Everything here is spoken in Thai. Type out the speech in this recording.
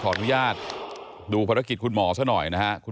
ของหมอภาคถ่ายรูปร่วมกับกำลังผลด้วยนะคะ